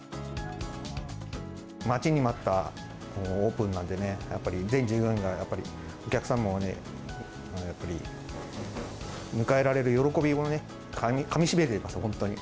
待ちに待ったオープンなんでね、全従業員がやっぱりお客様を迎えられる喜びをかみしめています、本当に。